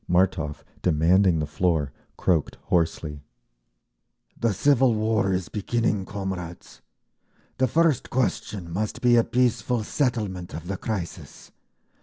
Martov, demanding the floor, croaked hoarsely, "The civil war is beginning, comrades! The first question must be a peaceful settlement of the crisis.